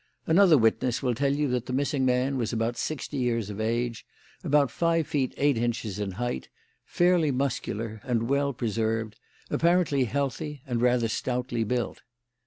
Another witness will tell you that the missing man was about sixty years of age, about five feet eight inches in height, fairly muscular and well preserved, apparently healthy, and rather stoutly built.